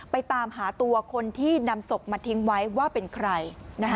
ตามหาตัวคนที่นำศพมาทิ้งไว้ว่าเป็นใคร